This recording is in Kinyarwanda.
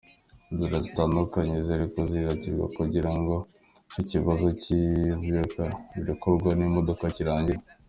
Inzira zitandukanye ziriko zirigwa kugira ngo ico kibazo c'ivyuka birekugwa n'imodoka kirangire.